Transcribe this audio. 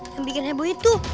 yang bikin heboh itu